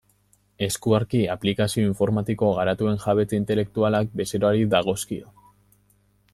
Eskuarki aplikazio informatiko garatuen jabetza intelektualak bezeroari dagozkio.